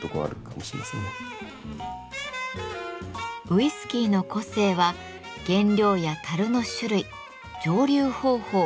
ウイスキーの個性は原料や樽の種類蒸留方法